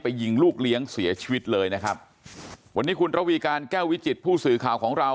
ยิงลูกเลี้ยงเสียชีวิตเลยนะครับวันนี้คุณระวีการแก้ววิจิตผู้สื่อข่าวของเรา